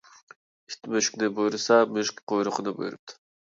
ئىت مۈشۈكنى بۇيرۇسا، مۈشۈك قويرۇقىنى بۇيرۇپتۇ.